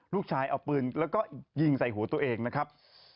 ลูกชายเอาปืนแล้วก็ยิงใส่หัวตัวเองนะครับ